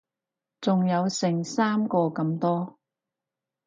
仲有成三個咁多